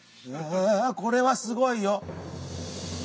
あこれはすごいよ！